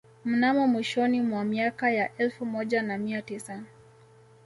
Mnamo mwishoni mwa miaka ya elfu moja na mia tisa